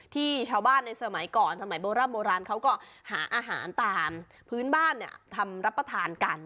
ที่ชาวบ้านในสมัยก่อนสมัยโบราณโบราณเขาก็หาอาหารตามพื้นบ้านทำรับประทานกัน